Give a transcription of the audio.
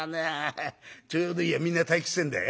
ちょうどいいやみんな退屈してんだ。